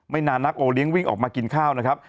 นานนักโอเลี้ยงวิ่งออกมากินข้าวนะครับ